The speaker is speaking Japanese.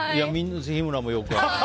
日村もよくやる。